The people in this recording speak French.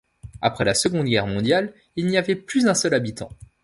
Après la Seconde Guerre mondiale, il n'y avait plus un seul habitant.